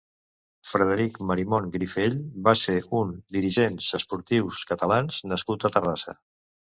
Frederic Marimon Grifell va ser un dirigents esportius catalans nascut a Terrassa.